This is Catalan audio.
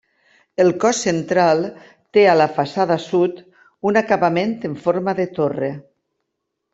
El cos central té a la façana sud un acabament en forma de torre.